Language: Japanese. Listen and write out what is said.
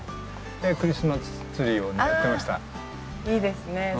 あいいですね。